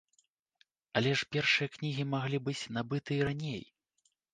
Але ж першыя кнігі маглі быць набыты і раней.